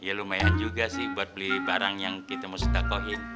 ya lumayan juga sih buat beli barang yang kita mesti tokoin